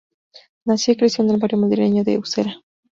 Nació y creció en el barrio madrileño de Usera.